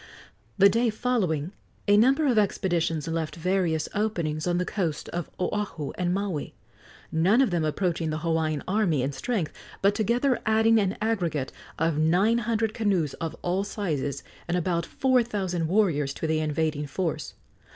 The day following a number of expeditions left various openings on the coasts of Oahu and Maui none of them approaching the Hawaiian army in strength, but together adding an aggregate of nine hundred canoes of all sizes and about four thousand warriors to the invading force.